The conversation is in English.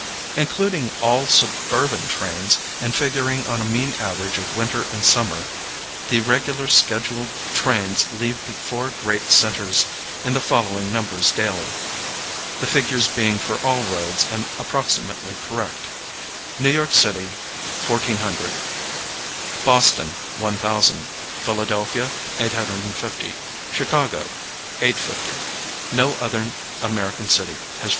Including all suburban trains, and figuring on a mean average of winter and summer, the regular scheduled trains leave the four great centers in the following numbers daily, the figures being for all roads and approximately correct: New York city, 1,400; Boston, 1,000; Philadelphia, 850; Chicago, 850. No other American city has 400.